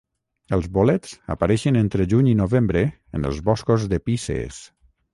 Els bolets apareixen entre juny i novembre en els boscos de pícees.